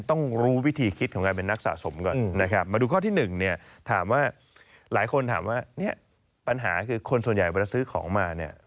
ต้องรู้วิธีคิดของการเป็นนักสะสมก่อนนะครับมาดูข้อที่หนึ่งเนี่ยถามว่าหลายคนถามว่าเนี่ยปัญหาคือคนส่วนใหญ่เวลาซื้อของมาเนี่ย